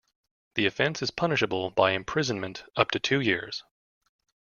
The offense is punishable by imprisonment up to two years.